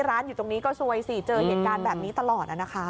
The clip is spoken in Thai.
ร้านอยู่ตรงนี้ก็ซวยสิเจอเหตุการณ์แบบนี้ตลอดนะคะ